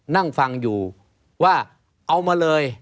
นั่งฟังอยู่ว่าเอามาเลย